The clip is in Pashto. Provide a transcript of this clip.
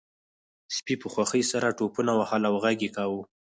سپي په خوښۍ سره ټوپونه وهل او غږ یې کاوه